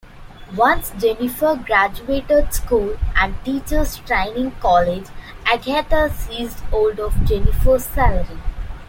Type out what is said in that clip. Once Jennifer graduated school and teachers' training college, Agatha seized hold of Jennifer's salary.